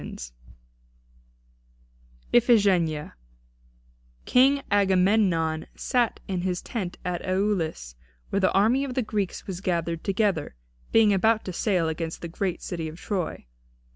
III IPHIGENIA King Agamemnon sat in his tent at Aulis, where the army of the Greeks was gathered together, being about to sail against the great city of Troy.